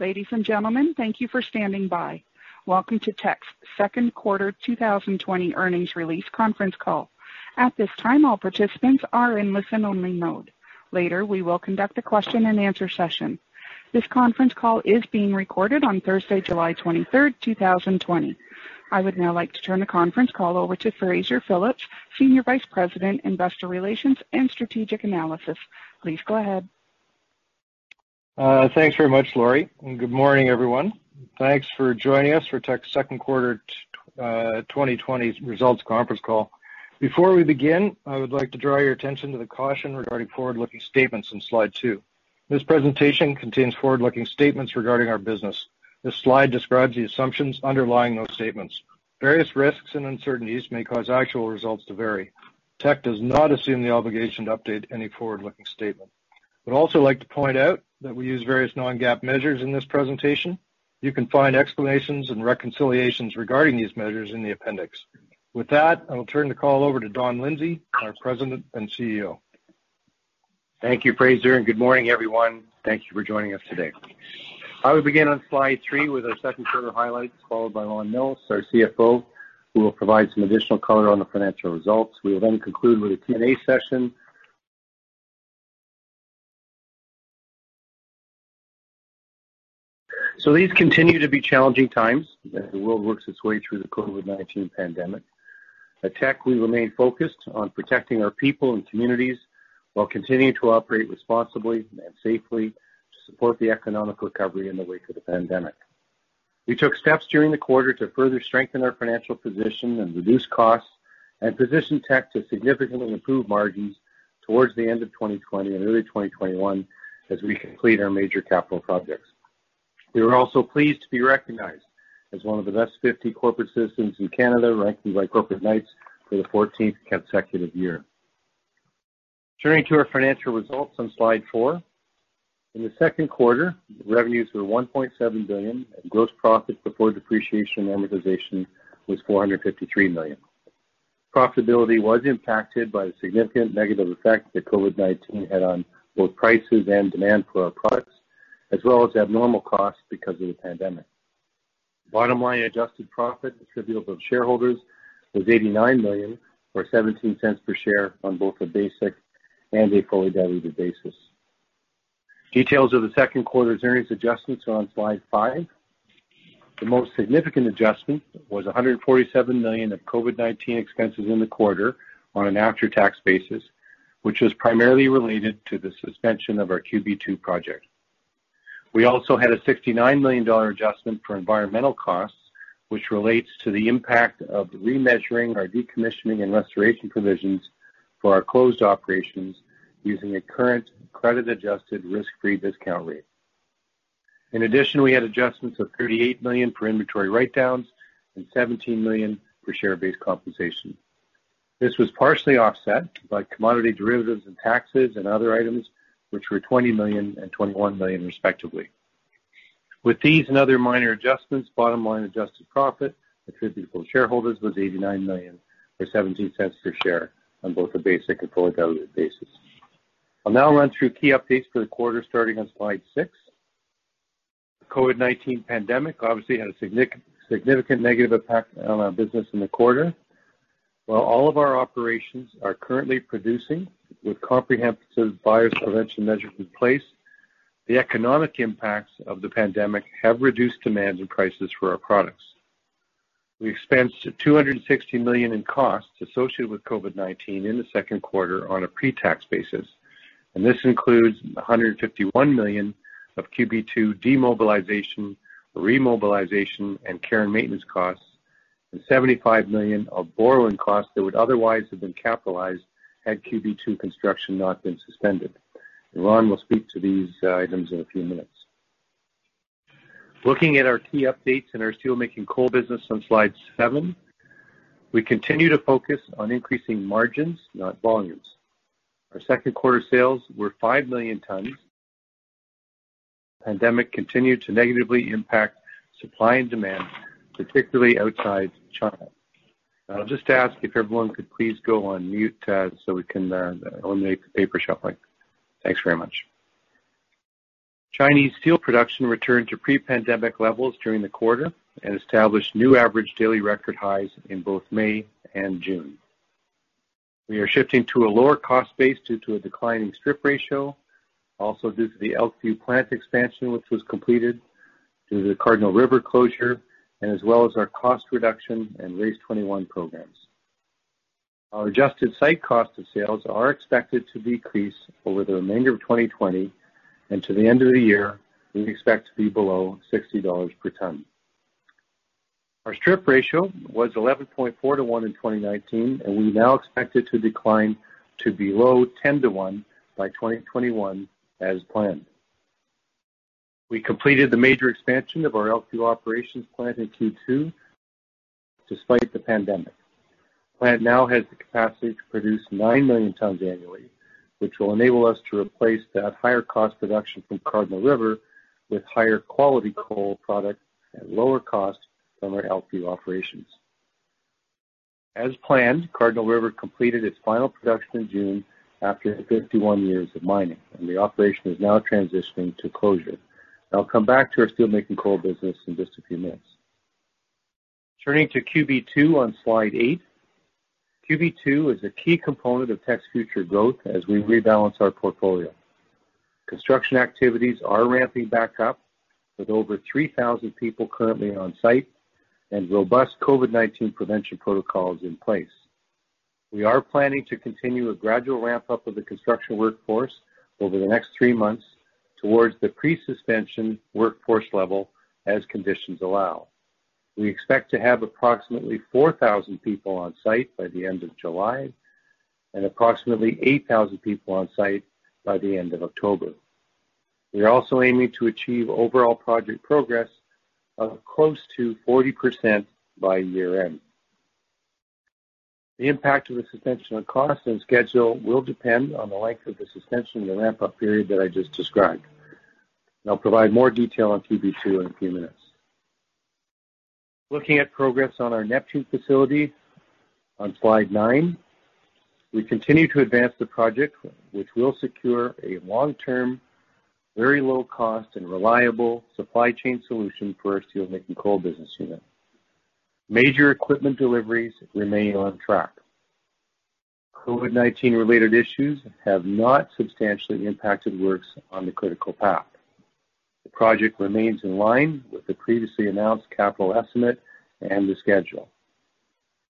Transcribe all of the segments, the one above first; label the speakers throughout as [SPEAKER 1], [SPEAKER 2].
[SPEAKER 1] Ladies and gentlemen, thank you for standing by. Welcome to Teck's second quarter 2020 earnings release conference call. At this time, all participants are in listen-only mode. Later, we will conduct a question-and-answer session. This conference call is being recorded on Thursday, July 23rd, 2020. I would now like to turn the conference call over to Fraser Phillips, Senior Vice President, Investor Relations and Strategic Analysis. Please go ahead.
[SPEAKER 2] Thanks very much, Lori, and good morning, everyone. Thanks for joining us for Teck's second quarter 2020 results conference call. Before we begin, I would like to draw your attention to the caution regarding forward-looking statements on slide two. This presentation contains forward-looking statements regarding our business. This slide describes the assumptions underlying those statements. Various risks and uncertainties may cause actual results to vary. Teck does not assume the obligation to update any forward-looking statement. I would also like to point out that we use various non-GAAP measures in this presentation. You can find explanations and reconciliations regarding these measures in the appendix. With that, I will turn the call over to Don Lindsay, our President and CEO.
[SPEAKER 3] Thank you, Fraser. Good morning, everyone. Thank you for joining us today. I will begin on slide three with our second quarter highlights, followed by Ron Millos, our CFO, who will provide some additional color on the financial results. We will conclude with a Q&A session. These continue to be challenging times as the world works its way through the COVID-19 pandemic. At Teck, we remain focused on protecting our people and communities while continuing to operate responsibly and safely to support the economic recovery in the wake of the pandemic. We took steps during the quarter to further strengthen our financial position and reduce costs and position Teck to significantly improve margins towards the end of 2020 and early 2021 as we complete our major capital projects. We were also pleased to be recognized as one of the Best 50 Corporates in Canada, ranked by Corporate Knights for the 14th consecutive year. Turning to our financial results on slide four. In the second quarter, revenues were 1.7 billion and gross profit before depreciation and amortization was 453 million. Profitability was impacted by the significant negative effect that COVID-19 had on both prices and demand for our products, as well as abnormal costs because of the pandemic. Bottom line adjusted profit attributable to shareholders was 89 million or 0.17 per share on both a basic and a fully diluted basis. Details of the second quarter's earnings adjustments are on slide five. The most significant adjustment was 147 million of COVID-19 expenses in the quarter on an after-tax basis, which was primarily related to the suspension of our QB2 project. We also had a 69 million dollar adjustment for environmental costs, which relates to the impact of remeasuring our decommissioning and restoration provisions for our closed operations using a current credit-adjusted risk-free discount rate. In addition, we had adjustments of 38 million for inventory write-downs and 17 million for share-based compensation. This was partially offset by commodity derivatives and taxes and other items, which were 20 million and 21 million, respectively. With these and other minor adjustments, bottom line adjusted profit attributable to shareholders was 89 million or 0.17 per share on both a basic and fully diluted basis. I'll now run through key updates for the quarter starting on slide six. The COVID-19 pandemic obviously had a significant negative impact on our business in the quarter. While all of our operations are currently producing with comprehensive virus prevention measures in place, the economic impacts of the pandemic have reduced demands and prices for our products. We expensed 260 million in costs associated with COVID-19 in the second quarter on a pre-tax basis. This includes 151 million of QB2 demobilization, remobilization, and care and maintenance costs and 75 million of borrowing costs that would otherwise have been capitalized had QB2 construction not been suspended. Ron will speak to these items in a few minutes. Looking at our key updates in our steelmaking coal business on slide seven, we continue to focus on increasing margins, not volumes. Our second quarter sales were 5 million tons. Pandemic continued to negatively impact supply and demand, particularly outside China. I'll just ask if everyone could please go on mute, [Tad], so we can eliminate the paper shuffling. Thanks very much. Chinese steel production returned to pre-pandemic levels during the quarter and established new average daily record highs in both May and June. We are shifting to a lower cost base due to a declining strip ratio, also due to the Elkview plant expansion, which was completed through the Cardinal River closure, and as well as our cost reduction and RACE21 programs. Our adjusted site cost of sales are expected to decrease over the remainder of 2020 and to the end of the year, we expect to be below 60 dollars per ton. Our strip ratio was 11.4:1 in 2019. We now expect it to decline to below 10:1 by 2021 as planned. We completed the major expansion of our Elkview operations plant in Q2 despite the pandemic. The plant now has the capacity to produce 9 million tons annually, which will enable us to replace that higher cost production from Cardinal River with higher quality coal product at lower cost from our Elkview operations. As planned, Cardinal River completed its final production in June after 51 years of mining, the operation is now transitioning to closure. I'll come back to our steelmaking coal business in just a few minutes. Turning to QB2 on slide eight. QB2 is a key component of Teck's future growth as we rebalance our portfolio. Construction activities are ramping back up with over 3,000 people currently on site and robust COVID-19 prevention protocols in place. We are planning to continue a gradual ramp-up of the construction workforce over the next three months towards the pre-suspension workforce level as conditions allow. We expect to have approximately 4,000 people on site by the end of July and approximately 8,000 people on site by the end of October. We are also aiming to achieve overall project progress of close to 40% by year end. The impact of the suspension on cost and schedule will depend on the length of the suspension and the ramp-up period that I just described. I'll provide more detail on QB2 in a few minutes. Looking at progress on our Neptune facility on slide nine, we continue to advance the project which will secure a long-term, very low cost, and reliable supply chain solution for our steelmaking coal business unit. Major equipment deliveries remain on track. COVID-19 related issues have not substantially impacted works on the critical path. The project remains in line with the previously announced capital estimate and the schedule.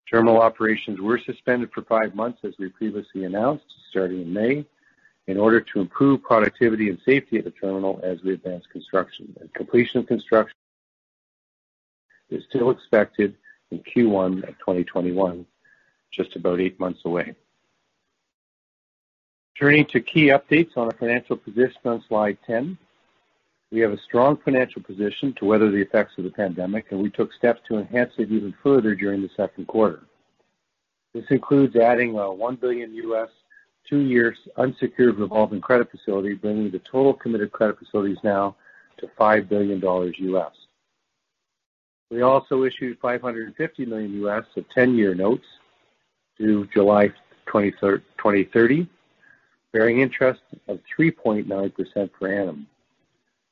[SPEAKER 3] Terminal operations were suspended for five months, as we previously announced, starting in May, in order to improve productivity and safety at the terminal as we advance construction. Completion of construction is still expected in Q1 of 2021, just about eight months away. Turning to key updates on our financial position on slide 10. We have a strong financial position to weather the effects of the pandemic, and we took steps to enhance it even further during the second quarter. This includes adding a $1 billion, two years unsecured revolving credit facility, bringing the total committed credit facilities now to $5 billion. We also issued $550 million of 10-year notes due July 2030, bearing interest of 3.9% per annum.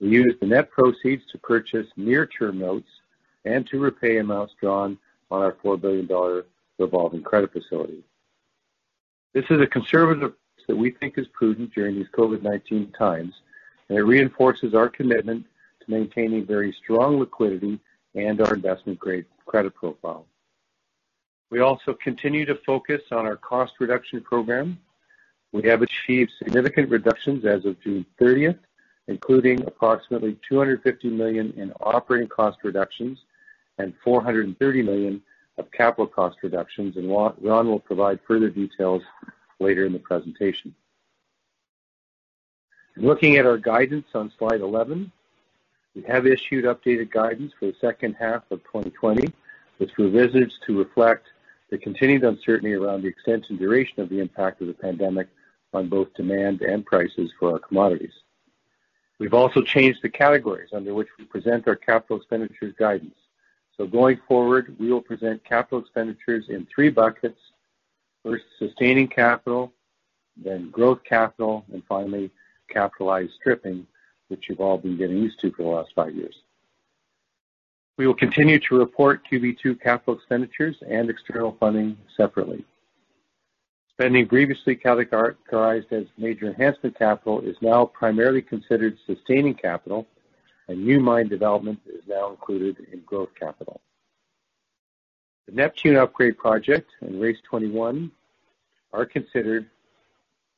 [SPEAKER 3] We used the net proceeds to purchase near term notes and to repay amounts drawn on our 4 billion dollar revolving credit facility. This is a conservative approach that we think is prudent during these COVID-19 times, and it reinforces our commitment to maintaining very strong liquidity and our investment grade credit profile. We also continue to focus on our cost reduction program. We have achieved significant reductions as of June 30th, including approximately 250 million in operating cost reductions and 430 million of capital cost reductions, and Ron will provide further details later in the presentation. Looking at our guidance on slide 11, we have issued updated guidance for the second half of 2020, which revises to reflect the continued uncertainty around the extent and duration of the impact of the pandemic on both demand and prices for our commodities. We've also changed the categories under which we present our capital expenditures guidance. Going forward, we will present capital expenditures in three buckets. Sustaining capital, then growth capital, and finally, capitalized stripping, which you've all been getting used to for the last five years. We will continue to report QB2 capital expenditures and external funding separately. Spending previously characterized as major enhancement capital is now primarily considered sustaining capital. New mine development is now included in growth capital. The Neptune upgrade project and RACE21 are considered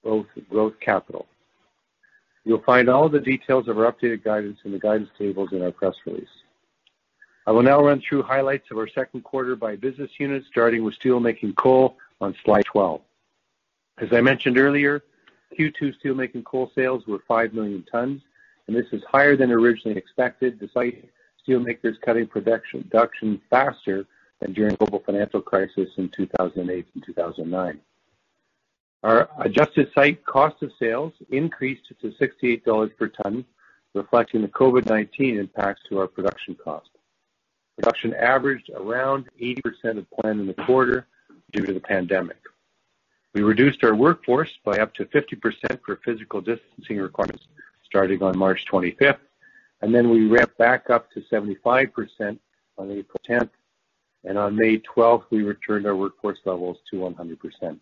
[SPEAKER 3] both growth capital. You'll find all the details of our updated guidance in the guidance tables in our press release. I will now run through highlights of our second quarter by business unit, starting with steelmaking coal on slide 12. As I mentioned earlier, Q2 steelmaking coal sales were 5 million tons. This is higher than originally expected, despite steel makers cutting production faster than during global financial crisis in 2008 and 2009. Our adjusted site cost of sales increased to 68 dollars per ton, reflecting the COVID-19 impacts to our production cost. Production averaged around 80% of plan in the quarter due to the pandemic. We reduced our workforce by up to 50% for physical distancing requirements starting on March 25th. We ramped back up to 75% on April 10th. On May 12th, we returned our workforce levels to 100%.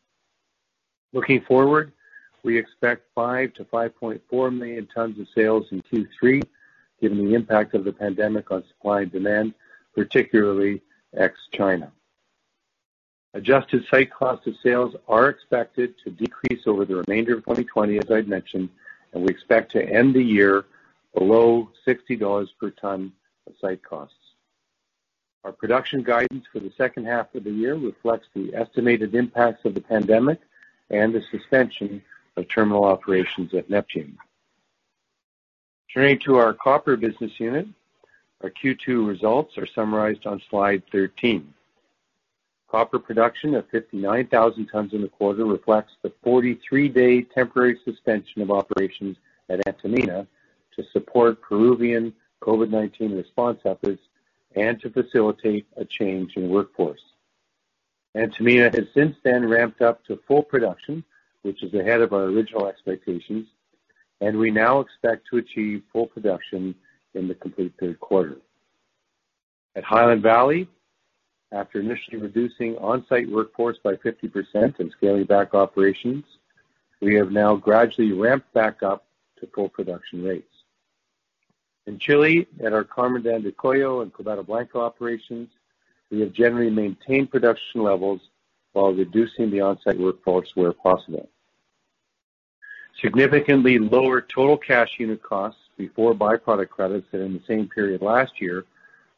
[SPEAKER 3] Looking forward, we expect 5 to 5.4 million tons of sales in Q3 given the impact of the pandemic on supply and demand, particularly ex-China. Adjusted site cost of sales are expected to decrease over the remainder of 2020, as I'd mentioned. We expect to end the year below 60 dollars per ton of site costs. Our production guidance for the second half of the year reflects the estimated impacts of the pandemic and the suspension of terminal operations at Neptune. Turning to our copper business unit. Our Q2 results are summarized on slide 13. Copper production of 59,000 tons in the quarter reflects the 43-day temporary suspension of operations at Antamina to support Peruvian COVID-19 response efforts and to facilitate a change in workforce. Antamina has since then ramped up to full production, which is ahead of our original expectations, and we now expect to achieve full production in the complete third quarter. At Highland Valley, after initially reducing on-site workforce by 50% and scaling back operations, we have now gradually ramped back up to full production rates. In Chile, at our Carmen de Andacollo and Quebrada Blanca operations, we have generally maintained production levels while reducing the on-site workforce where possible. Significantly lower total cash unit costs before by-product credits than in the same period last year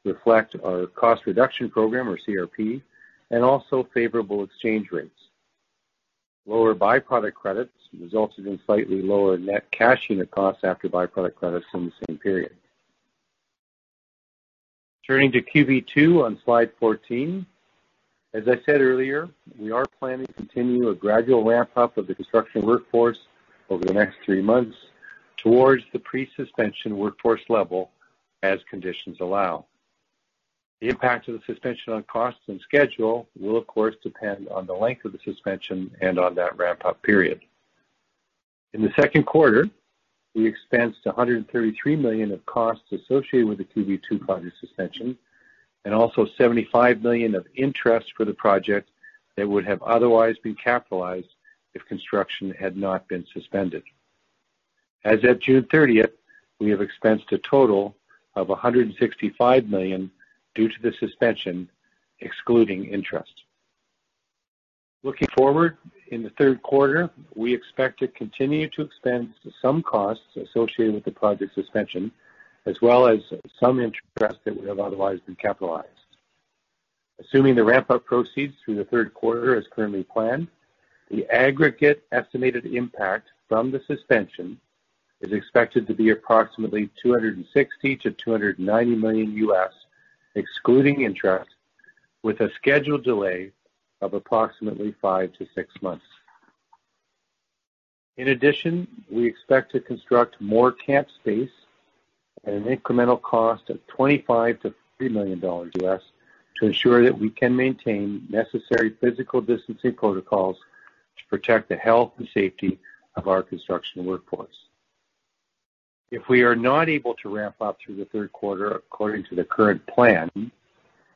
[SPEAKER 3] reflect our cost reduction program, or CRP, and also favorable exchange rates. Lower by-product credits resulted in slightly lower net cash unit costs after by-product credits in the same period. Turning to QB2 on slide 14. As I said earlier, we are planning to continue a gradual ramp up of the construction workforce over the next three months towards the pre-suspension workforce level as conditions allow. The impact of the suspension on costs and schedule will, of course, depend on the length of the suspension and on that ramp-up period. In the second quarter, we expensed 133 million of costs associated with the QB2 project suspension, and also 75 million of interest for the project that would have otherwise been capitalized if construction had not been suspended. As of June 30th, we have expensed a total of 165 million due to the suspension, excluding interest. Looking forward, in the third quarter, we expect to continue to expense some costs associated with the project suspension, as well as some interest that would have otherwise been capitalized. Assuming the ramp-up proceeds through the third quarter as currently planned, the aggregate estimated impact from the suspension is expected to be approximately $260 million-$290 million, excluding interest, with a scheduled delay of approximately five to six months. In addition, we expect to construct more camp space at an incremental cost of $25 million-$30 million to ensure that we can maintain necessary physical distancing protocols to protect the health and safety of our construction workforce. If we are not able to ramp up through the third quarter according to the current plan,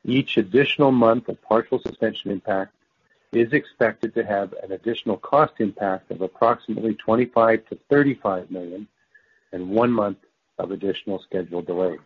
[SPEAKER 3] each additional month of partial suspension impact is expected to have an additional cost impact of approximately 25 million-35 million and one month of additional scheduled delay.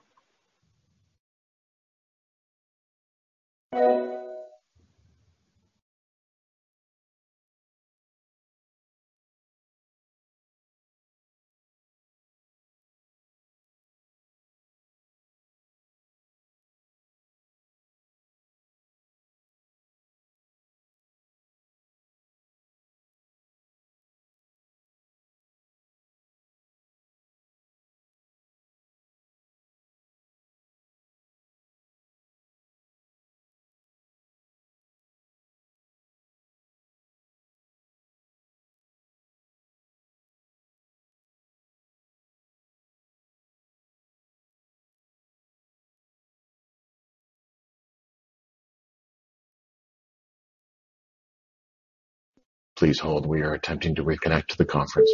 [SPEAKER 1] Please hold. We are attempting to reconnect to the conference.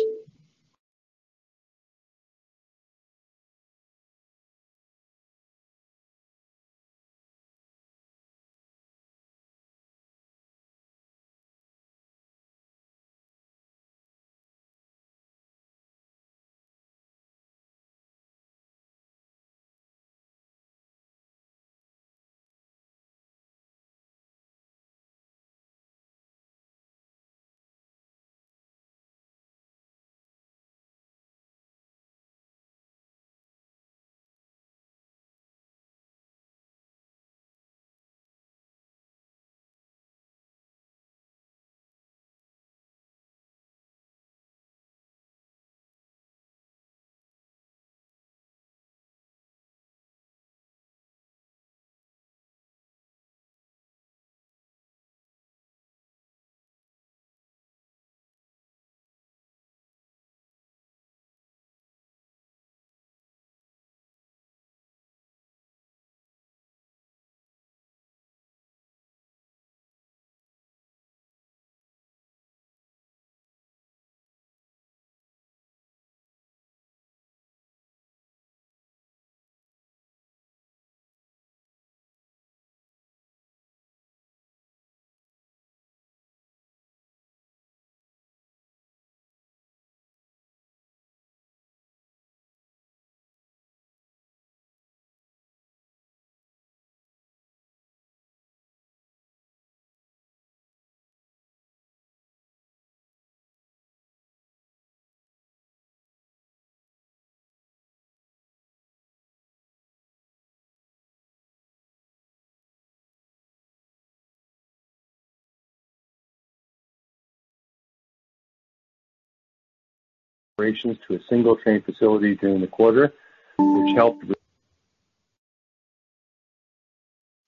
[SPEAKER 3] Operations to a single train facility during the quarter, which helped with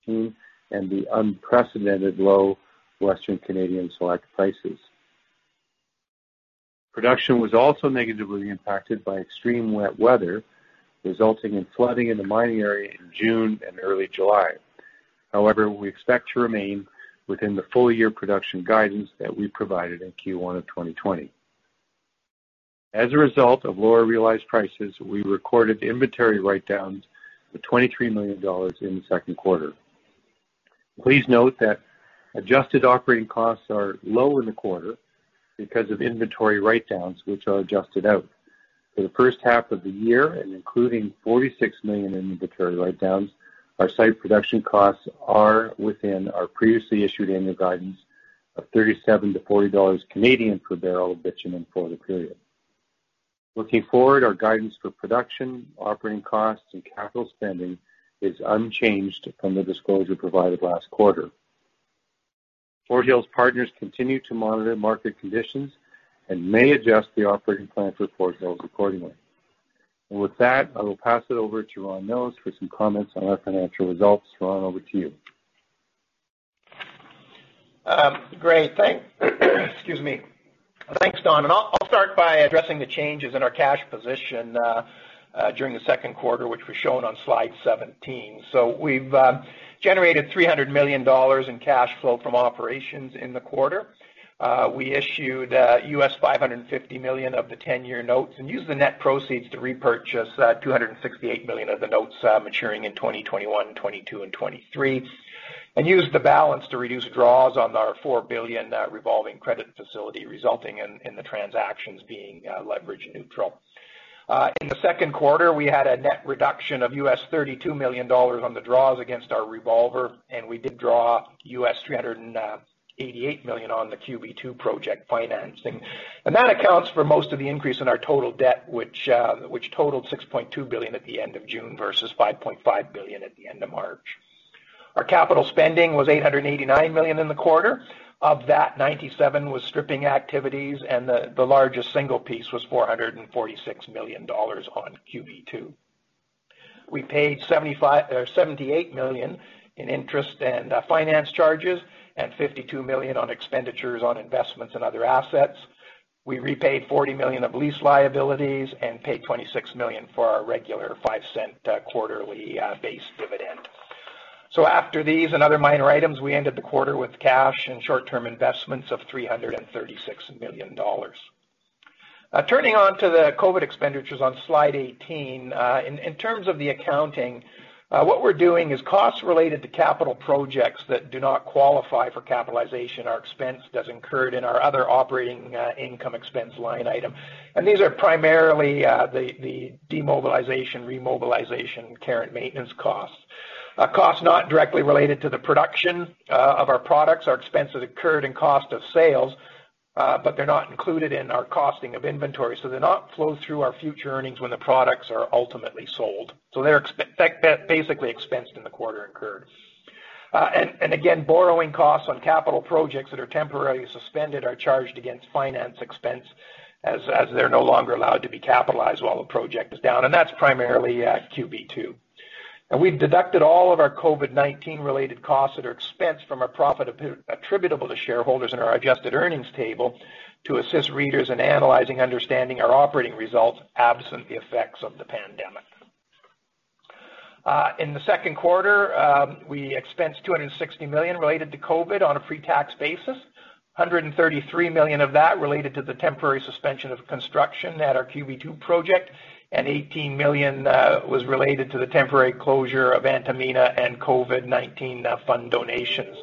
[SPEAKER 3] the unprecedented low Western Canadian Select prices. Production was also negatively impacted by extreme wet weather, resulting in flooding in the mining area in June and early July. However, we expect to remain within the full-year production guidance that we provided in Q1 of 2020. As a result of lower realized prices, we recorded inventory write-downs of 23 million dollars in the second quarter. Please note that adjusted operating costs are lower in the quarter because of inventory write-downs, which are adjusted out. For the first half of the year and including 46 million in inventory write-downs, our site production costs are within our previously issued annual guidance of 37- 40 Canadian dollars per barrel of bitumen for the period. Looking forward, our guidance for production, operating costs, and capital spending is unchanged from the disclosure provided last quarter. Fort Hills partners continue to monitor market conditions and may adjust the operating plans with Fort Hills accordingly. With that, I will pass it over to Ron Millos for some comments on our financial results. Ron, over to you.
[SPEAKER 4] Excuse me. Thanks, Don. I'll start by addressing the changes in our cash position during the second quarter, which was shown on slide 17. We've generated 300 million dollars in cash flow from operations in the quarter. We issued $550 million of the 10-year notes and used the net proceeds to repurchase $268 million of the notes maturing in 2021, 2022, and 2023, used the balance to reduce draws on our $4 billion revolving credit facility, resulting in the transactions being leverage neutral. In the second quarter, we had a net reduction of $32 million on the draws against our revolver, we did draw $388 million on the QB2 project financing. That accounts for most of the increase in our total debt, which totaled 6.2 billion at the end of June versus 5.5 billion at the end of March. Our capital spending was 889 million in the quarter. Of that, 97 million was stripping activities, and the largest single piece was 446 million dollars on QB2. We paid 78 million in interest and finance charges and 52 million on expenditures on investments and other assets. We repaid 40 million of lease liabilities and paid 26 million for our regular 0.05 quarterly base dividend. After these and other minor items, we ended the quarter with cash and short-term investments of 336 million dollars. Turning on to the COVID expenditures on slide 18. In terms of the accounting, what we're doing is costs related to capital projects that do not qualify for capitalization are expensed as incurred in our other operating income expense line item. These are primarily the demobilization, remobilization, care, and maintenance costs. Costs not directly related to the production of our products are expensed as incurred in cost of sales, but they're not included in our costing of inventory, so they're not flowed through our future earnings when the products are ultimately sold. They're basically expensed in the quarter incurred. Again, borrowing costs on capital projects that are temporarily suspended are charged against finance expense as they're no longer allowed to be capitalized while the project is down, and that's primarily QB2. We've deducted all of our COVID-19 related costs that are expensed from our profit attributable to shareholders in our adjusted earnings table to assist readers in analyzing, understanding our operating results absent the effects of the pandemic. In the second quarter, we expensed 260 million related to COVID-19 on a pre-tax basis, 133 million of that related to the temporary suspension of construction at our QB2 project, and 18 million was related to the temporary closure of Antamina and COVID-19 fund donations.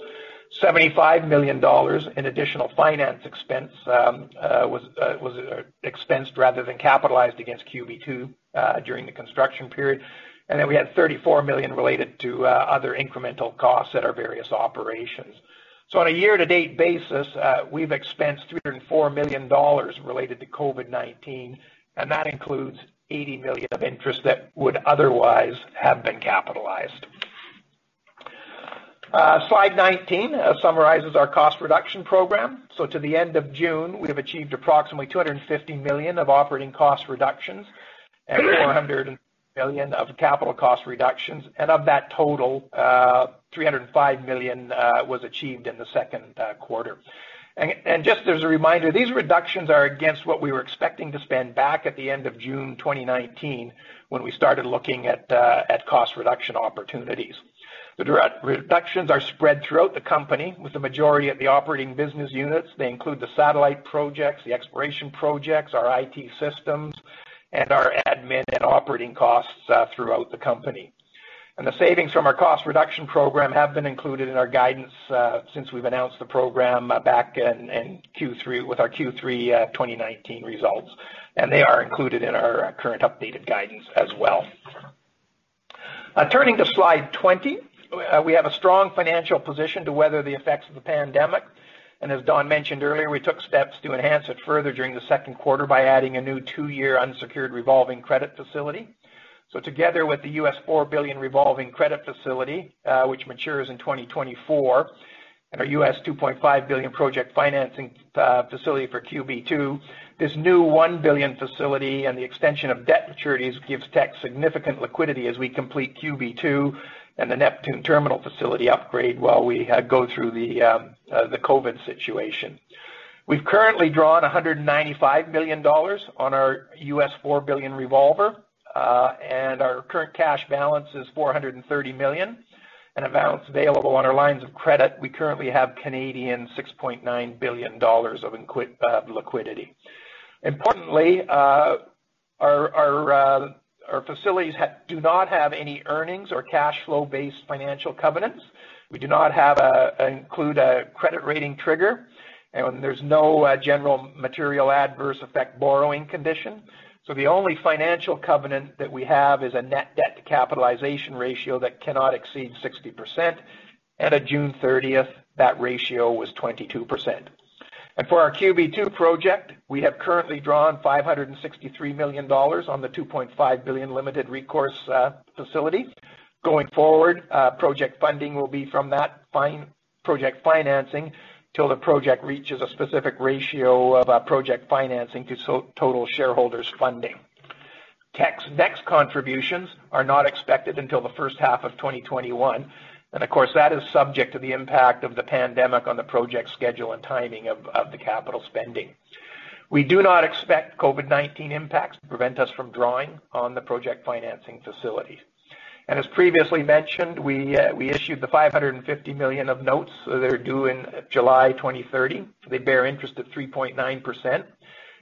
[SPEAKER 4] 75 million dollars in additional finance expense was expensed rather than capitalized against QB2 during the construction period. We had 34 million related to other incremental costs at our various operations. On a year-to-date basis, we've expensed 304 million dollars related to COVID-19, and that includes 80 million of interest that would otherwise have been capitalized. Slide 19 summarizes our cost reduction program. To the end of June, we have achieved approximately 250 million of operating cost reductions and 400 million of capital cost reductions. Of that total, 305 million was achieved in the second quarter. Just as a reminder, these reductions are against what we were expecting to spend back at the end of June 2019 when we started looking at cost reduction opportunities. The reductions are spread throughout the company, with the majority at the operating business units. They include the satellite projects, the exploration projects, our IT systems, and our admin and operating costs throughout the company. The savings from our cost reduction program have been included in our guidance since we've announced the program back with our Q3 2019 results, and they are included in our current updated guidance as well. Turning to slide 20. We have a strong financial position to weather the effects of the pandemic, as Don mentioned earlier, we took steps to enhance it further during the second quarter by adding a new two-year unsecured revolving credit facility. Together with the $4 billion revolving credit facility, which matures in 2024. Our $2.5 billion project financing facility for QB2, this new 1 billion facility and the extension of debt maturities gives Teck significant liquidity as we complete QB2 and the Neptune terminal facility upgrade while we go through the COVID-19 situation. We have currently drawn 195 million dollars on our $4 billion revolver, and our current cash balance is 430 million and amounts available on our lines of credit, we currently have 6.9 billion Canadian dollars of liquidity. Importantly, our facilities do not have any earnings or cash flow-based financial covenants. We do not include a credit rating trigger. There is no general material adverse effect borrowing condition. The only financial covenant that we have is a net debt to capitalization ratio that cannot exceed 60%, and at June 30th, that ratio was 22%. For our QB2 project, we have currently drawn 563 million dollars on the 2.5 billion limited recourse facility. Going forward, project funding will be from that project financing till the project reaches a specific ratio of project financing to total shareholders funding. Teck's next contributions are not expected until the first half of 2021, and of course, that is subject to the impact of the pandemic on the project schedule and timing of the capital spending. We do not expect COVID-19 impacts to prevent us from drawing on the project financing facility. As previously mentioned, we issued the 550 million of notes that are due in July 2030. They bear interest of 3.9%,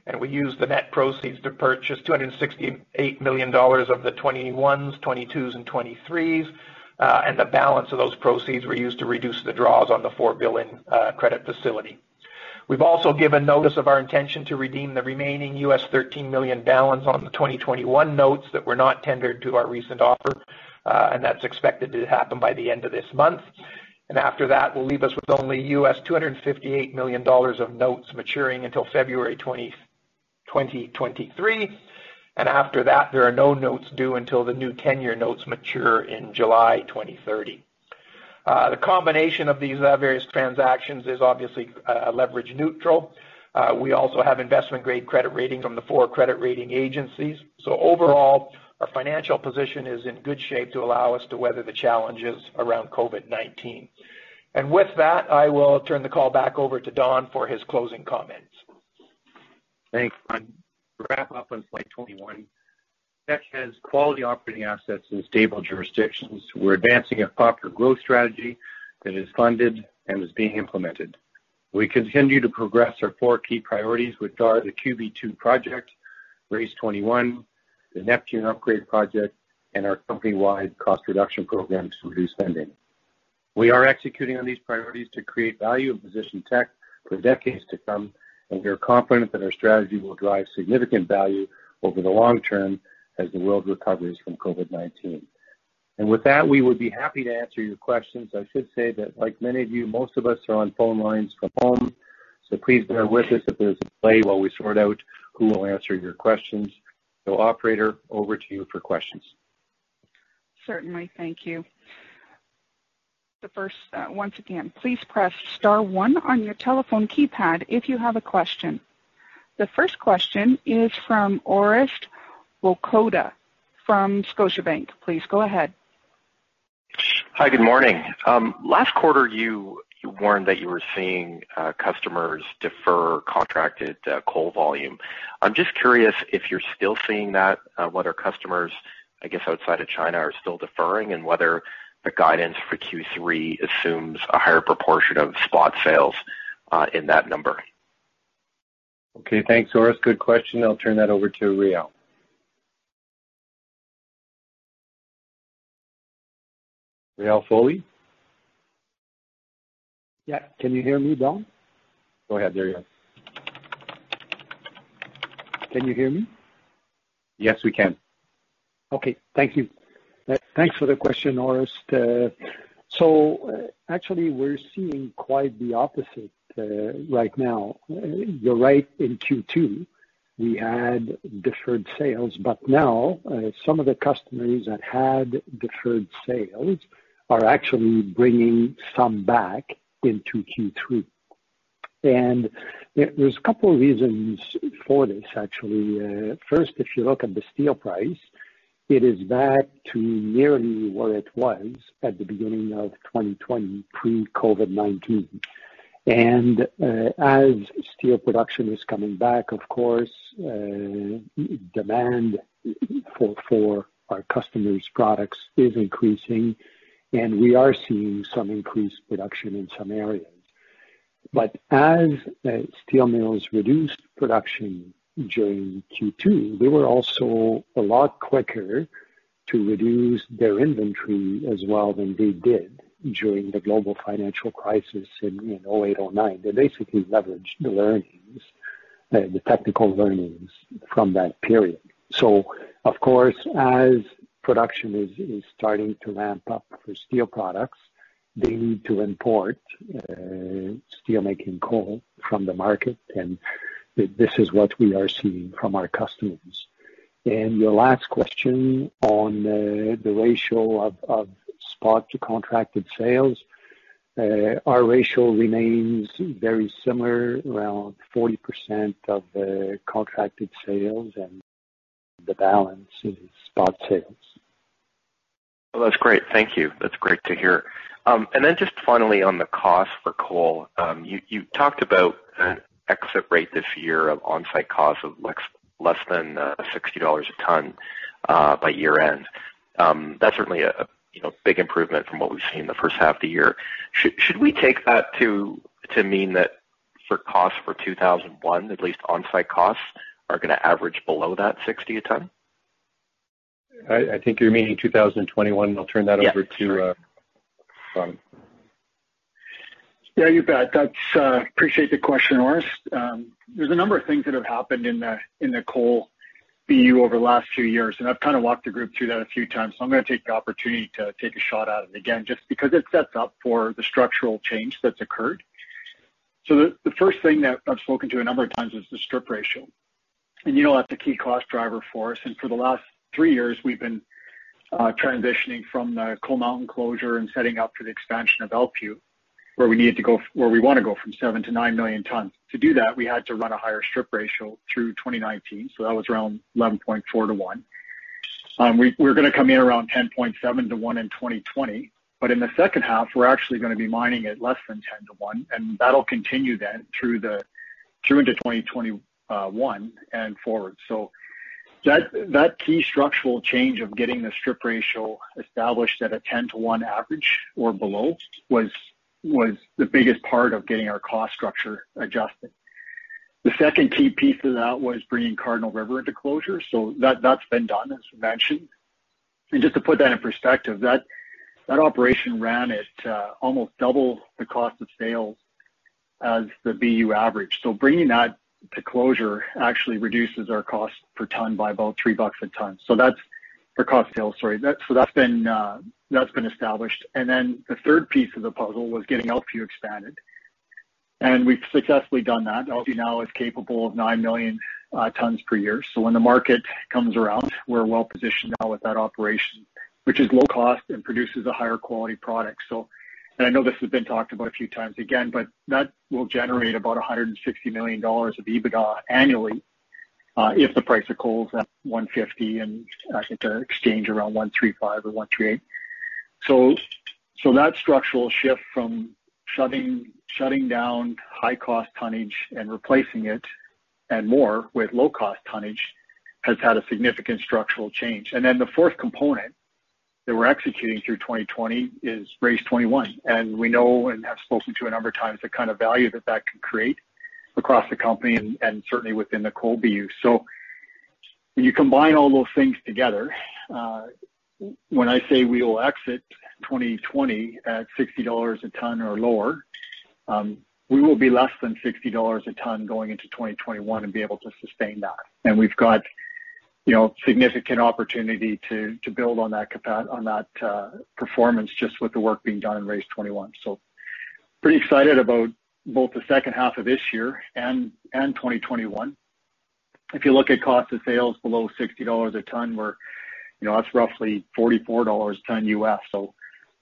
[SPEAKER 4] and we use the net proceeds to purchase 268 million dollars of the 2021s, 2022s and 2023s. The balance of those proceeds were used to reduce the draws on the $4 billion credit facility. We've also given notice of our intention to redeem the remaining $13 million balance on the 2021 notes that were not tendered to our recent offer. That's expected to happen by the end of this month. After that will leave us with only $258 million of notes maturing until February 2023. After that, there are no notes due until the new 10-year notes mature in July 2030. The combination of these various transactions is obviously leverage neutral. We also have investment grade credit rating from the four credit rating agencies. Overall, our financial position is in good shape to allow us to weather the challenges around COVID-19. With that, I will turn the call back over to Don for his closing comments.
[SPEAKER 3] Thanks, Ron. To wrap up on slide 21, Teck has quality operating assets in stable jurisdictions. We're advancing a profitable growth strategy that is funded and is being implemented. We continue to progress our four key priorities with regard to QB2 project, RACE21, the Neptune upgrade project and our company-wide cost reduction programs to reduce spending. We are executing on these priorities to create value and position Teck for decades to come, and we are confident that our strategy will drive significant value over the long term as the world recovers from COVID-19. With that, we would be happy to answer your questions. I should say that, like many of you, most of us are on phone lines from home, so please bear with us if there's a delay while we sort out who will answer your questions. Operator, over to you for questions.
[SPEAKER 1] Certainly. Thank you. Once again, please press star one on your telephone keypad if you have a question. The first question is from Orest Wowkodaw from Scotiabank. Please go ahead.
[SPEAKER 5] Hi, good morning. Last quarter, you warned that you were seeing customers defer contracted coal volume. I'm just curious if you're still seeing that, whether customers, I guess, outside of China, are still deferring and whether the guidance for Q3 assumes a higher proportion of spot sales, in that number?
[SPEAKER 3] Okay. Thanks, Orest. Good question. I'll turn that over to Réal. Réal Foley?
[SPEAKER 6] Yeah. Can you hear me, Don?
[SPEAKER 3] Go ahead. There you are.
[SPEAKER 6] Can you hear me?
[SPEAKER 3] Yes, we can.
[SPEAKER 6] Okay. Thank you. Thanks for the question, Orest. Actually, we're seeing quite the opposite right now. You're right. In Q2, we had deferred sales, now some of the customers that had deferred sales are actually bringing some back into Q3. There's a couple of reasons for this, actually. First, if you look at the steel price, it is back to nearly where it was at the beginning of 2020, pre-COVID-19. As steel production is coming back, of course, demand for our customers' products is increasing, and we are seeing some increased production in some areas. As steel mills reduced production during Q2, they were also a lot quicker to reduce their inventory as well than they did during the global financial crisis in 2008, 2009. They basically leveraged the technical learnings from that period. Of course, as production is starting to ramp up for steel products, they need to import steelmaking coal from the market, and this is what we are seeing from our customers. Your last question on the ratio of spot to contracted sales, our ratio remains very similar, around 40% of the contracted sales and the balance is spot sales.
[SPEAKER 5] Well, that's great. Thank you. That's great to hear. Just finally on the cost for coal, you talked about an exit rate this year of on-site costs of less than 60 dollars a ton by year-end. That's certainly a big improvement from what we've seen in the first half of the year. Should we take that to mean that for costs for 2021, at least on-site costs, are going to average below that 60 a ton?
[SPEAKER 3] I think you're meaning 2021. I'll turn that over to Ron.
[SPEAKER 4] Yeah, you bet. Appreciate the question, Orest. There's a number of things that have happened in the coal BU over the last few years. I've kind of walked the group through that a few times. I'm going to take the opportunity to take a shot at it again, just because it sets up for the structural change that's occurred. The first thing that I've spoken to a number of times is the strip ratio. You know that's a key cost driver for us. For the last three years, we've been transitioning from the Coal Mountain closure and setting up for the expansion of Elkview, where we want to go from seven to nine million tons. To do that, we had to run a higher strip ratio through 2019. That was around 11.4 to one. We're going to come in around 10.7:1 in 2020. In the second half, we're actually going to be mining at less than 10:1, and that'll continue then through into 2021 and forward. That key structural change of getting the strip ratio established at a 10 to one average or below was the biggest part of getting our cost structure adjusted. The second key piece of that was bringing Cardinal River into closure. That's been done, as mentioned. Just to put that in perspective, that operation ran at almost double the cost of sales as the BU average. Bringing that to closure actually reduces our cost per ton by about 3 bucks a ton. That's for cost of sales, sorry. That's been established. The third piece of the puzzle was getting Elkview expanded. We've successfully done that. Elkview now is capable of nine million tons per year. When the market comes around, we're well-positioned now with that operation, which is low cost and produces a higher quality product. I know this has been talked about a few times, again, but that will generate about 160 million dollars of EBITDA annually, if the price of coal is at 150 and I think our exchange around 135 or 138. That structural shift from shutting down high cost tonnage and replacing it and more with low cost tonnage has had a significant structural change. The fourth component that we're executing through 2020 is RACE21. We know and have spoken to a number of times the kind of value that that can create across the company and certainly within the coal BU. When you combine all those things together, when I say we will exit 2020 at 60 dollars a ton or lower, we will be less than 60 dollars a ton going into 2021 and be able to sustain that. We've got significant opportunity to build on that performance just with the work being done in RACE21. Pretty excited about both the second half of this year and 2021. If you look at cost of sales below 60 dollars a ton, that's roughly $44 a ton.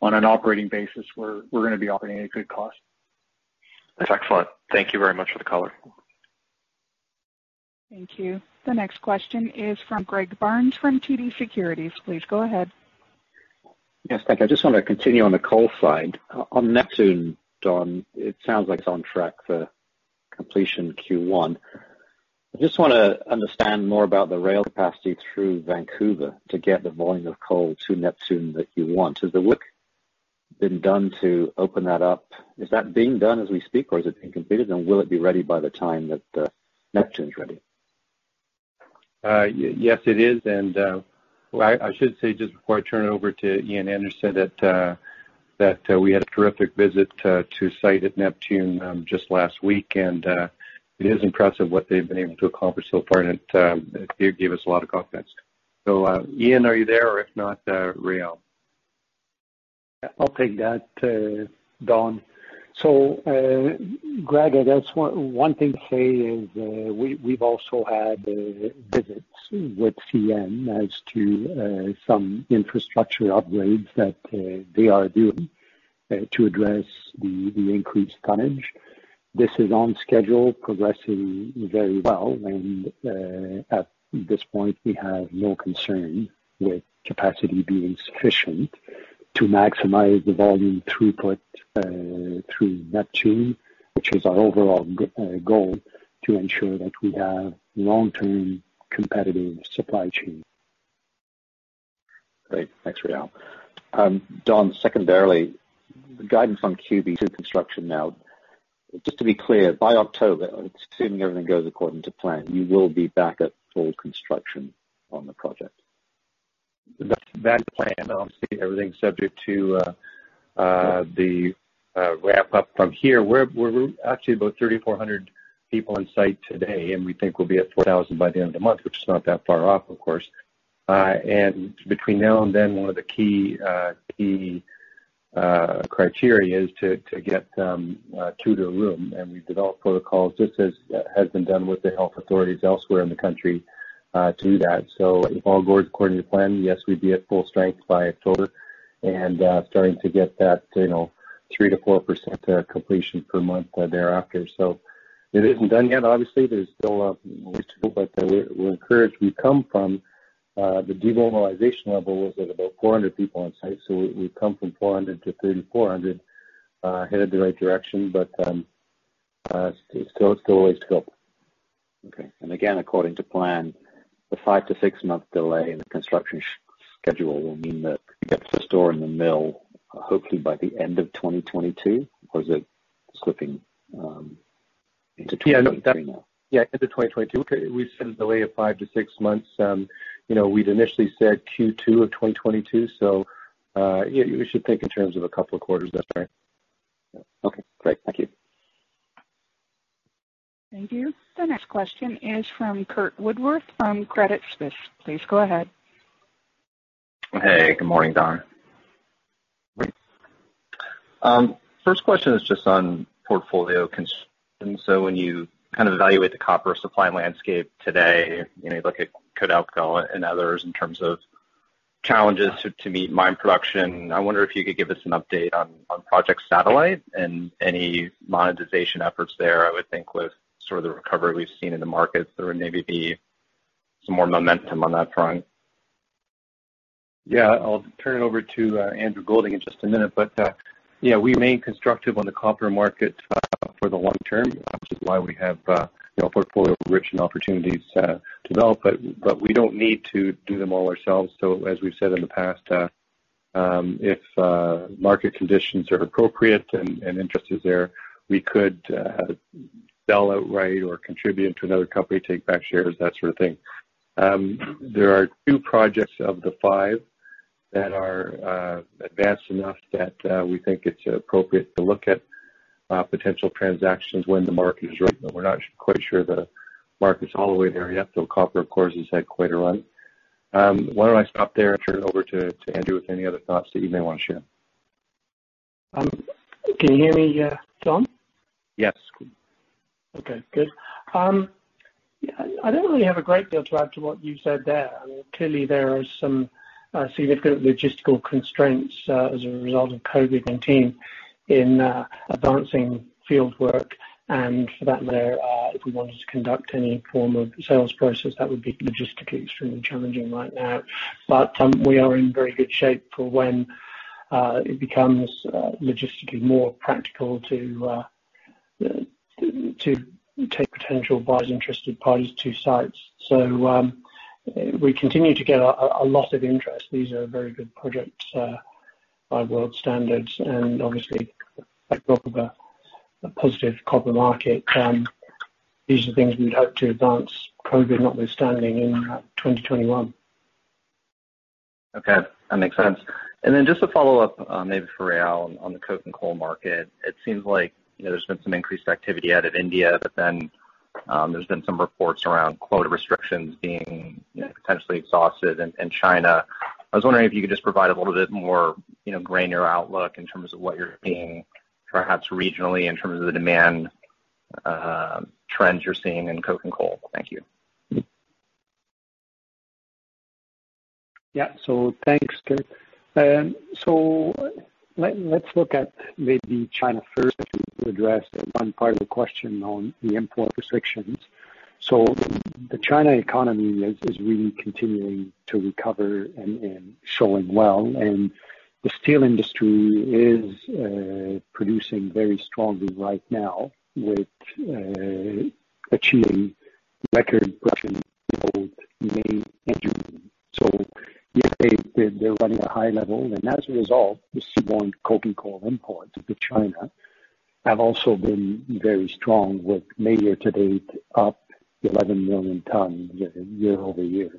[SPEAKER 4] On an operating basis, we're going to be operating at a good cost.
[SPEAKER 5] That's excellent. Thank you very much for the color.
[SPEAKER 1] Thank you. The next question is from Greg Barnes from TD Securities. Please go ahead.
[SPEAKER 7] Yes, thank you. I just want to continue on the coal side. On Neptune, Don, it sounds like it's on track for completion Q1. I just want to understand more about the rail capacity through Vancouver to get the volume of coal to Neptune that you want. Has the work been done to open that up? Is that being done as we speak, or has it been completed, and will it be ready by the time that Neptune's ready?
[SPEAKER 3] Yes, it is, and I should say, just before I turn it over to Ian Anderson, that we had a terrific visit to site at Neptune just last week, and it is impressive what they've been able to accomplish so far, and it gave us a lot of confidence. Ian, are you there? If not, Réal.
[SPEAKER 6] I'll take that, Don. Greg, I guess one thing to say is we've also had visits with CN as to some infrastructure upgrades that they are doing to address the increased tonnage. This is on schedule, progressing very well and, at this point, we have no concern with capacity being sufficient to maximize the volume throughput through Neptune, which is our overall goal to ensure that we have long-term competitive supply chain.
[SPEAKER 7] Great. Thanks, Réal. Don, secondarily, guidance on QB2 construction now. Just to be clear, by October, assuming everything goes according to plan, you will be back at full construction on the project.
[SPEAKER 3] That's the plan. Obviously, everything's subject to the wrap up from here. We're actually about 3,400 people on site today, and we think we'll be at 4,000 by the end of the month, which is not that far off, of course. Between now and then, one of the key criteria is to get them to their room, and we've developed protocols, just as has been done with the health authorities elsewhere in the country to do that. If all goes according to plan, yes, we'd be at full strength by October and starting to get that 3%-4% completion per month thereafter. It isn't done yet, obviously. There's still a way to go, but we're encouraged. We come from the denormalization levels at about 400 people on site. We've come from 400 to 3,400, headed the right direction. It's still a way to go.
[SPEAKER 7] Okay. Again, according to plan, the five to six month delay in the construction schedule will mean that we get the ore in the mill, hopefully by the end of 2022? Is it slipping into 2023 now?
[SPEAKER 3] Yeah. End of 2022. We said a delay of five to six months. We'd initially said Q2 of 2022. You should think in terms of a couple of quarters, that's right.
[SPEAKER 7] Okay, great. Thank you.
[SPEAKER 1] Thank you. The next question is from Curt Woodworth from Credit Suisse. Please go ahead.
[SPEAKER 8] Hey, good morning, Don. First question is just on portfolio construction. When you kind of evaluate the copper supply landscape today, you look at Codelco and others in terms of challenges to meet mine production. I wonder if you could give us an update on Project Satellite and any monetization efforts there. I would think with sort of the recovery we've seen in the markets, there would maybe be some more momentum on that front.
[SPEAKER 3] Yeah. I'll turn it over to Andrew Golding in just a minute. Yeah, we remain constructive on the copper market for the long term, which is why we have portfolio-rich and opportunities to develop. As we've said in the past, if market conditions are appropriate and interest is there, we could sell outright or contribute to another company, take back shares, that sort of thing. There are two projects of the five that are advanced enough that we think it's appropriate to look at potential transactions when the market is right, but we're not quite sure the market's all the way there yet, though copper, of course, has had quite a run. Why don't I stop there and turn it over to Andrew with any other thoughts that you may want to share?
[SPEAKER 9] Can you hear me, Don?
[SPEAKER 3] Yes.
[SPEAKER 9] Okay, good. I don't really have a great deal to add to what you said there. Clearly, there are some significant logistical constraints as a result of COVID-19 in advancing fieldwork. For that matter, if we wanted to conduct any form of sales process, that would be logistically extremely challenging right now. We are in very good shape for when it becomes logistically more practical to take potential buyers, interested parties to sites. We continue to get a lot of interest. These are very good projects by world standards, and obviously, backdrop of a positive copper market. These are things we would hope to advance, COVID notwithstanding, in 2021.
[SPEAKER 8] Okay, that makes sense. Just to follow up, maybe for Réal on the coking coal market, it seems like there's been some increased activity out of India, but then there's been some reports around quota restrictions being potentially exhausted in China. I was wondering if you could just provide a little bit more granular outlook in terms of what you're seeing, perhaps regionally, in terms of the demand trends you're seeing in coking coal. Thank you.
[SPEAKER 6] Yeah. Thanks, Curt. Let's look at maybe China first to address one part of the question on the import restrictions. The China economy is really continuing to recover and showing well, and the steel industry is producing very strongly right now with achieving record production in both May and June. They're running a high level, and as a result, the seaborne coking coal imports into China have also been very strong with May year-to-date up 11 million tons year-over-year.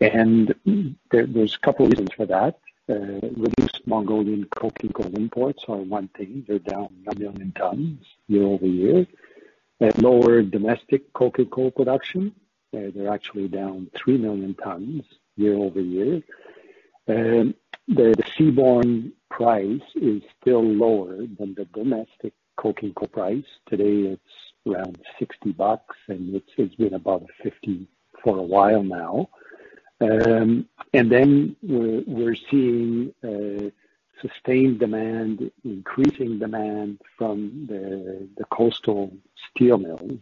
[SPEAKER 6] There's a couple reasons for that. Reduced Mongolian coking coal imports are one thing. They're down 9 million tons year-over-year. Lower domestic coking coal production, they're actually down 3 million tons year-over-year. The seaborne price is still lower than the domestic coking coal price. Today, it's around 60 bucks, and it's been above 50 for a while now. Then we're seeing sustained demand, increasing demand from the coastal steel mills.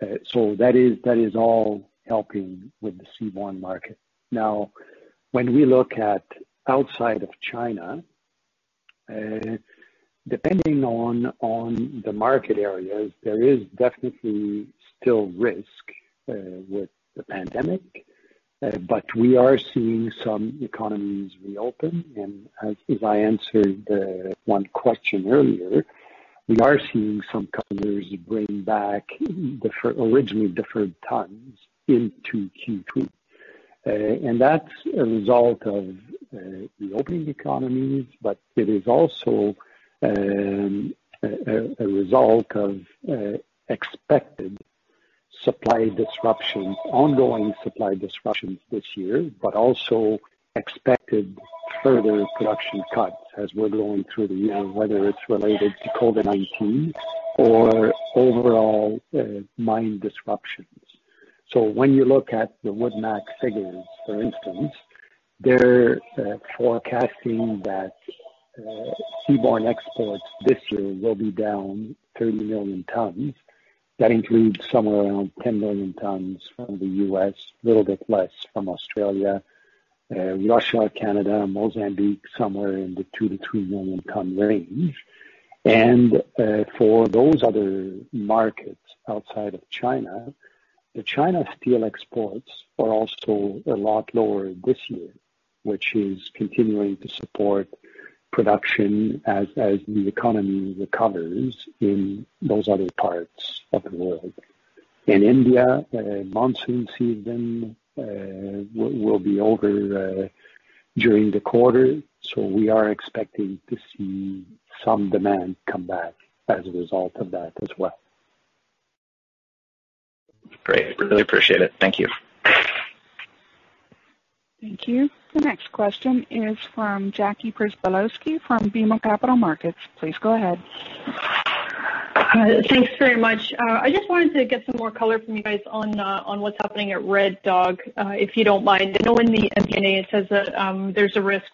[SPEAKER 6] That is all helping with the seaborne market. When we look at outside of China, depending on the market areas, there is definitely still risk with the pandemic. We are seeing some economies reopen, and as I answered one question earlier, we are seeing some companies bring back originally deferred tons into Q2. That's a result of reopening economies, but it is also a result of expected supply disruptions, ongoing supply disruptions this year, but also expected further production cuts as we're going through the year, whether it's related to COVID-19 or overall mine disruptions. When you look at the WoodMac figures, for instance, they're forecasting that seaborne exports this year will be down 30 million tons. That includes somewhere around 10 million tons from the U.S., little bit less from Australia. Russia, Canada, Mozambique, somewhere in the 2 million-3 million ton range. For those other markets outside of China, the China steel exports are also a lot lower this year, which is continuing to support production as the economy recovers in those other parts of the world. In India, monsoon season will be over during the quarter, so we are expecting to see some demand come back as a result of that as well.
[SPEAKER 8] Great. Really appreciate it. Thank you.
[SPEAKER 1] Thank you. The next question is from Jackie Przybylowski from BMO Capital Markets. Please go ahead.
[SPEAKER 10] Thanks very much. I just wanted to get some more color from you guys on what's happening at Red Dog, if you don't mind. I know in the MD&A it says that there's a risk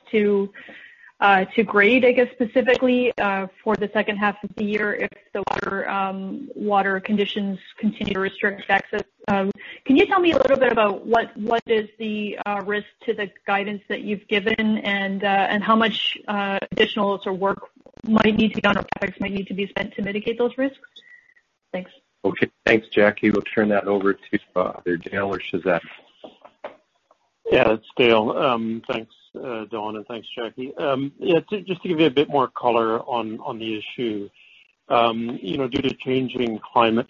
[SPEAKER 10] to grade, I guess, specifically, for the second half of the year if the water conditions continue to restrict access. Can you tell me a little bit about what is the risk to the guidance that you've given, and how much additional sorts of work might need to be done, or dollars might need to be spent to mitigate those risks? Thanks.
[SPEAKER 3] Okay. Thanks, Jackie. We'll turn that over to either Dale or Shehzad.
[SPEAKER 11] Yeah, it's Dale. Thanks, Don, and thanks, Jackie. Yeah, just to give you a bit more color on the issue. Due to changing climate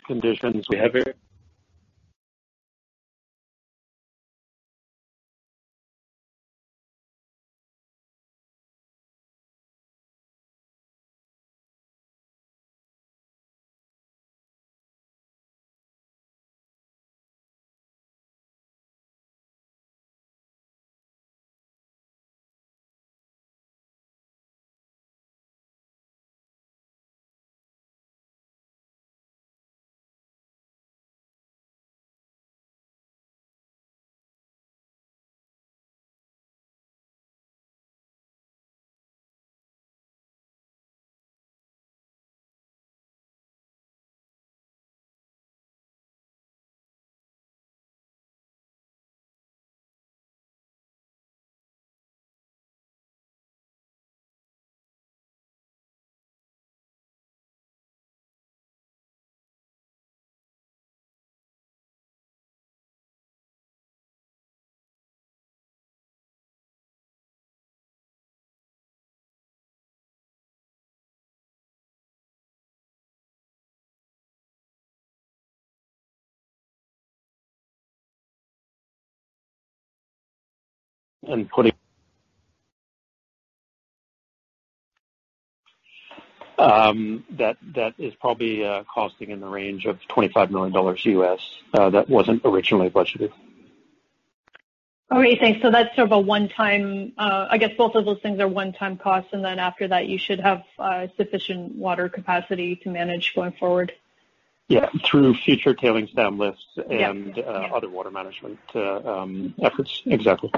[SPEAKER 11] condition. That is probably costing in the range of $25 million, that wasn't originally budgeted.
[SPEAKER 10] All right, thanks. That's sort of a one time, I guess both of those things are one time costs, after that you should have sufficient water capacity to manage going forward?
[SPEAKER 11] Yeah. Through future tailing stand lifts.
[SPEAKER 10] Yeah.
[SPEAKER 11] Other water management efforts. Exactly.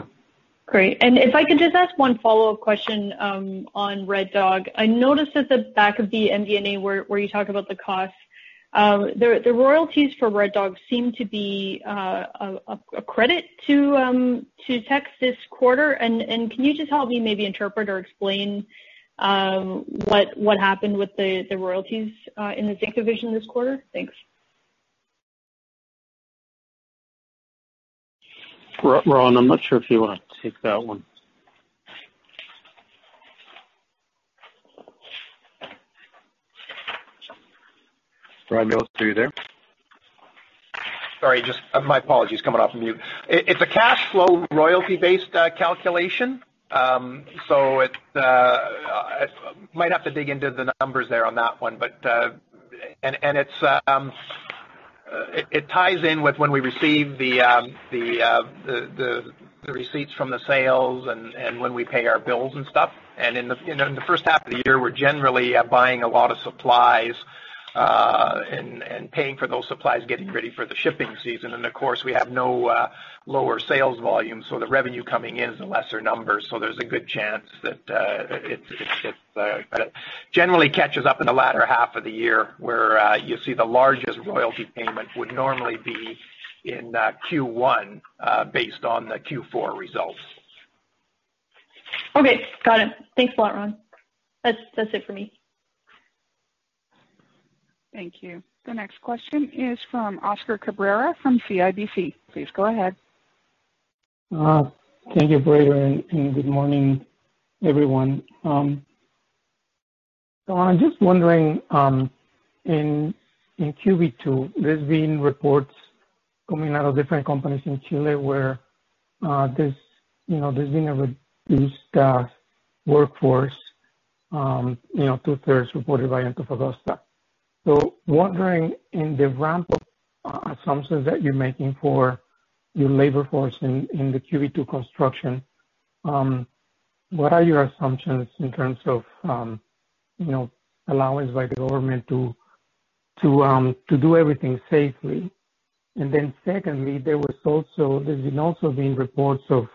[SPEAKER 10] Great. If I could just ask one follow-up question on Red Dog. I noticed at the back of the MD&A where you talk about the costs. The royalties for Red Dog seem to be a credit to Teck this quarter. Can you just help me maybe interpret or explain what happened with the royalties in the zinc division this quarter? Thanks.
[SPEAKER 11] Ron, I'm not sure if you want to take that one. Ron Millos, are you there?
[SPEAKER 4] Sorry. My apologies. Coming off mute. It's a cash flow royalty-based calculation. I might have to dig into the numbers there on that one. It ties in with when we receive the receipts from the sales and when we pay our bills and stuff. In the first half of the year, we're generally buying a lot of supplies, and paying for those supplies, getting ready for the shipping season. Of course, we have no lower sales volume, so the revenue coming in is a lesser number. There's a good chance that it generally catches up in the latter half of the year, where you see the largest royalty payment would normally be in Q1, based on the Q4 results.
[SPEAKER 10] Okay. Got it. Thanks a lot, Ron. That's it for me.
[SPEAKER 1] Thank you. The next question is from Oscar Cabrera from CIBC. Please go ahead.
[SPEAKER 12] Thank you, operator, and good morning, everyone. I'm just wondering, in Q2, there's been reports coming out of different companies in Chile where there's been a reduced workforce. 2/3 reported by Antofagasta. Wondering, in the ramp-up assumptions that you're making for your labor force in the Q2 construction, what are your assumptions in terms of allowance by the government to do everything safely? Secondly, there's also been reports of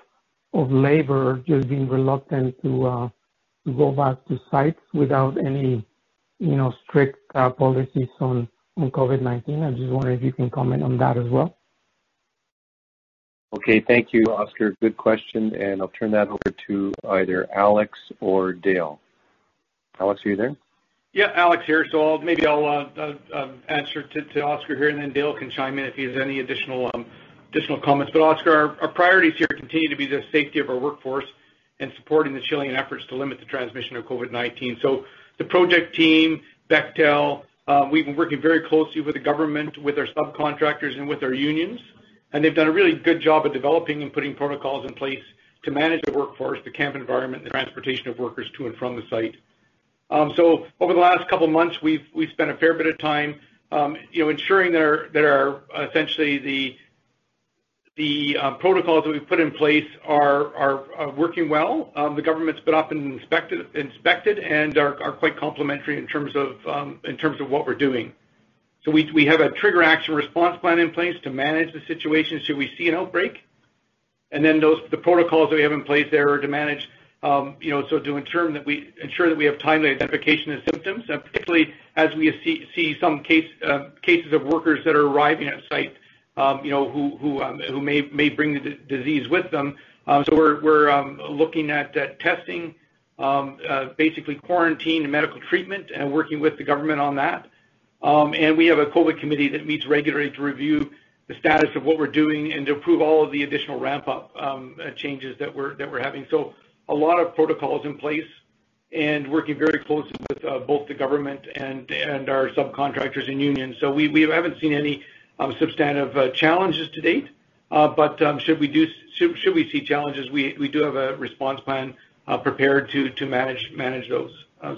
[SPEAKER 12] labor just being reluctant to go back to sites without any strict policies on COVID-19. I just wonder if you can comment on that as well?
[SPEAKER 3] Okay. Thank you, Oscar. Good question, and I'll turn that over to either Alex or Dale. Alex, are you there?
[SPEAKER 13] Yeah, Alex here. Maybe I'll answer to Oscar here, and then Dale can chime in if he has any additional comments. Oscar, our priorities here continue to be the safety of our workforce and supporting the Chilean efforts to limit the transmission of COVID-19. The project team, Bechtel, we've been working very closely with the government, with our subcontractors, and with our unions, and they've done a really good job of developing and putting protocols in place to manage the workforce, the camp environment, and the transportation of workers to and from the site. Over the last couple of months, we've spent a fair bit of time ensuring that essentially the protocols that we've put in place are working well. The government's been up and inspected and are quite complimentary in terms of what we're doing. We have a Trigger Action Response Plan in place to manage the situation should we see an outbreak. The protocols that we have in place there are to ensure that we have timely identification of symptoms, and particularly as we see some cases of workers that are arriving at site who may bring the disease with them. We're looking at testing, basically quarantine and medical treatment, and working with the government on that. We have a COVID committee that meets regularly to review the status of what we're doing and to approve all of the additional ramp-up changes that we're having. A lot of protocols in place and working very closely with both the government and our subcontractors and unions. We haven't seen any substantive challenges to date. Should we see challenges, we do have a response plan prepared to manage those.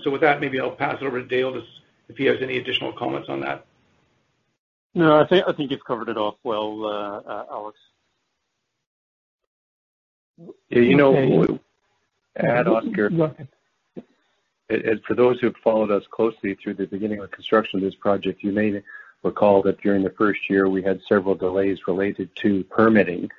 [SPEAKER 13] With that, maybe I'll pass it over to Dale if he has any additional comments on that.
[SPEAKER 11] No, I think you've covered it off well, Alex.
[SPEAKER 3] Oscar.
[SPEAKER 12] Go ahead.
[SPEAKER 3] For those who have followed us closely through the beginning of the construction of this project, you may recall that during the first year, we had several delays related to permitting,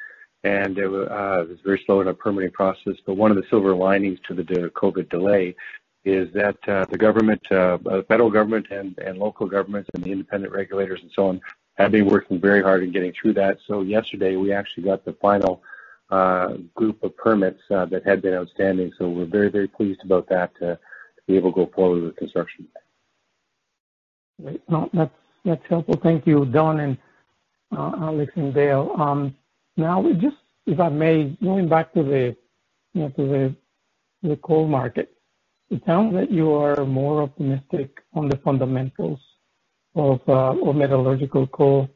[SPEAKER 3] and it was very slow in our permitting process. One of the silver linings to the COVID delay is that the federal government and local governments and the independent regulators and so on have been working very hard in getting through that. Yesterday, we actually got the final group of permits that had been outstanding. We're very pleased about that to be able to go forward with construction.
[SPEAKER 12] Great. That's helpful. Thank you, Don and Alex and Dale. Just if I may, going back to the coal market, it sounds like you are more optimistic on the fundamentals of metallurgical coal.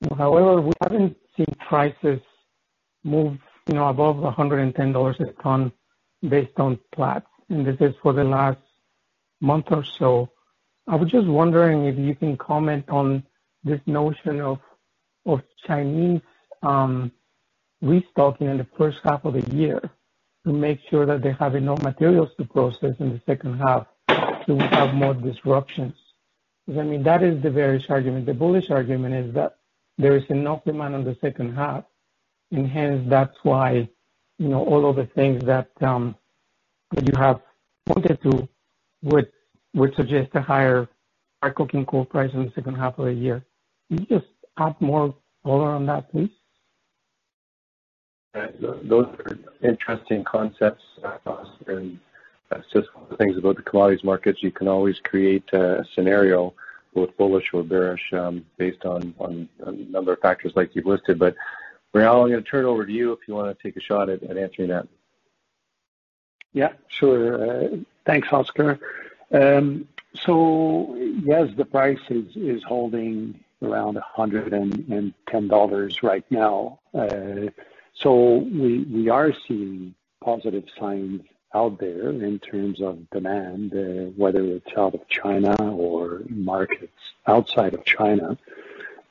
[SPEAKER 12] We haven't seen prices move above 110 dollars a ton based on Platts, and this is for the last month or so. I was just wondering if you can comment on this notion of Chinese restocking in the first half of the year to make sure that they're having enough materials to process in the second half, so we have more disruptions? That is the bearish argument. The bullish argument is that there is enough demand on the second half, and hence that's why all of the things that you have pointed to would suggest a higher coking coal price in the second half of the year. Can you just add more color on that, please?
[SPEAKER 3] Those are interesting concepts, Oscar. That's just one of the things about the commodities markets. You can always create a scenario, both bullish or bearish, based on a number of factors like you've listed. Réal, I'm going to turn it over to you if you want to take a shot at answering that.
[SPEAKER 6] Yeah, sure. Thanks, Oscar. Yes, the price is holding around 110 dollars right now. We are seeing positive signs out there in terms of demand, whether it's out of China or markets outside of China.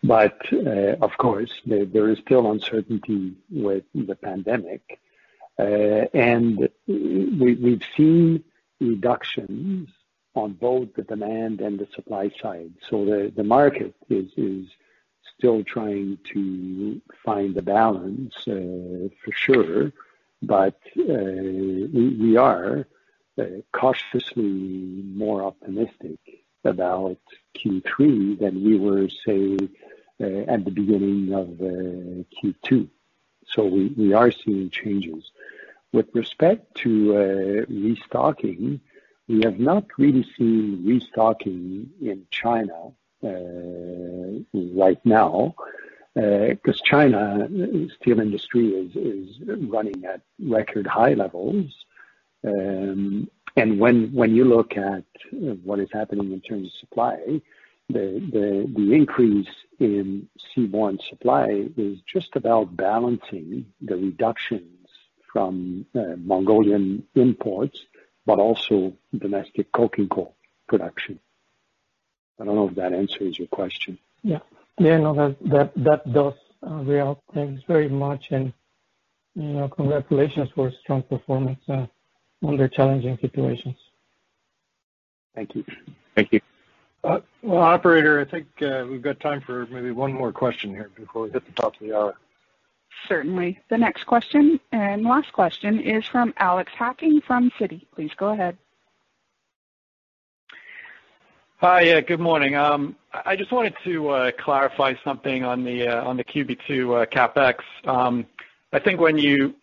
[SPEAKER 6] Of course, there is still uncertainty with the pandemic. We've seen reductions on both the demand and the supply side. The market is still trying to find the balance for sure, but we are cautiously more optimistic about Q3 than we were, say, at the beginning of Q2. We are seeing changes. With respect to restocking, we have not really seen restocking in China right now, because China steel industry is running at record high levels. When you look at what is happening in terms of supply, the increase in seaborne supply is just about balancing the reductions from Mongolian imports, but also domestic coking coal production.
[SPEAKER 3] I don't know if that answers your question.
[SPEAKER 12] Yeah. No, that does, Réal. Thanks very much, and congratulations for a strong performance under challenging situations.
[SPEAKER 3] Thank you.
[SPEAKER 2] Well, operator, I think we've got time for maybe one more question here before we hit the top of the hour.
[SPEAKER 1] Certainly. The next question, and last question, is from Alex Hacking from Citi. Please go ahead.
[SPEAKER 14] Hi. Good morning. I just wanted to clarify something on the Q2 CapEx. I think when you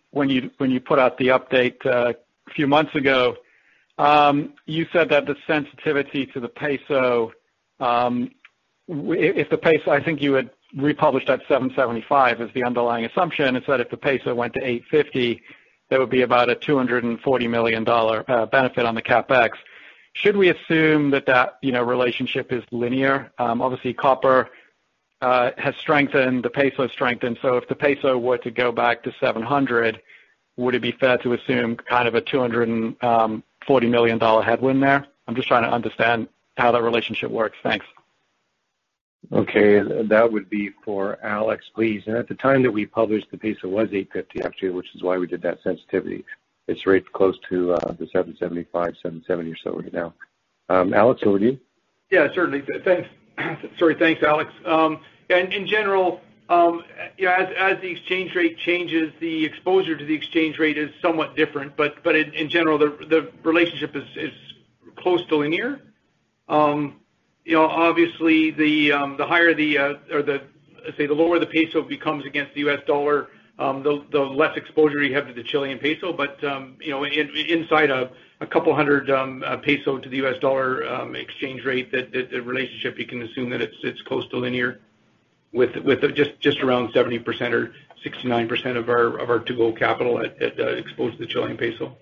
[SPEAKER 14] put out the update a few months ago, you said that the sensitivity to the peso, I think you had republished at 775 as the underlying assumption, is that if the peso went to 850, there would be about a 240 million dollar benefit on the CapEx. Should we assume that that relationship is linear? Obviously, copper has strengthened, the peso has strengthened. If the peso were to go back to 700, would it be fair to assume a 240 million dollar headwind there? I am just trying to understand how that relationship works. Thanks.
[SPEAKER 3] Okay. That would be for Alex, please. At the time that we published, the peso was 850, actually, which is why we did that sensitivity. It's right close to the 775, 770 or so right now. Alex, over to you.
[SPEAKER 13] Yeah, certainly. Thanks. Sorry. Thanks, Alex. In general, as the exchange rate changes, the exposure to the exchange rate is somewhat different. In general, the relationship is close to linear. Obviously, the lower the peso becomes against the U.S. dollar, the less exposure you have to the Chilean peso. Inside a a couple hundred peso to the U.S. dollar exchange rate, the relationship, you can assume that it's close to linear with just around 70% or 69% of our to-go capital exposed to the Chilean peso.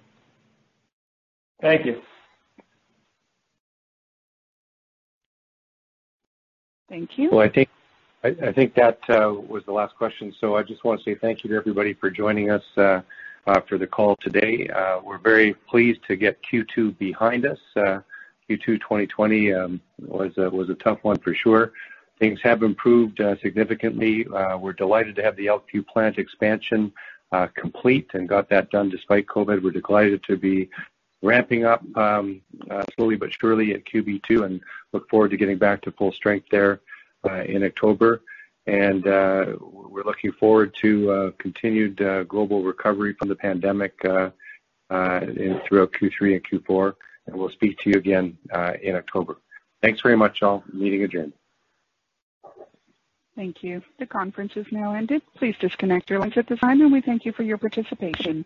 [SPEAKER 14] Thank you.
[SPEAKER 1] Thank you.
[SPEAKER 3] Well, I think that was the last question. I just want to say thank you to everybody for joining us for the call today. We're very pleased to get Q2 behind us. Q2 2020 was a tough one for sure. Things have improved significantly. We're delighted to have the Elkview plant expansion complete and got that done despite COVID-19. We're delighted to be ramping up slowly but surely at QB2, and look forward to getting back to full strength there in October. We're looking forward to continued global recovery from the pandemic throughout Q3 and Q4. We'll speak to you again in October. Thanks very much, all. Meeting adjourned.
[SPEAKER 1] Thank you. The conference has now ended. Please disconnect your lines at this time, and we thank you for your participation.